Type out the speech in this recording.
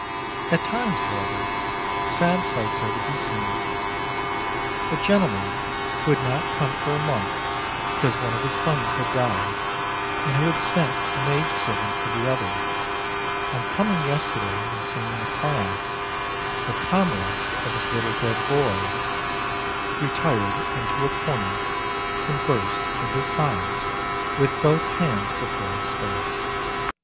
At times, however, sad sights are to be seen. A gentleman who had not come for a month because one NUMBER 78 171 of his sons had died, and who had sent a maid servant for the other, on coming yesterday and seeing the class, the comrades of his little dead boy, retired into a corner and burst into sobs, with both hands before his face.